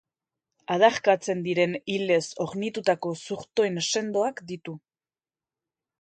Adarkatzen diren ilez hornitutako zurtoin sendoak ditu.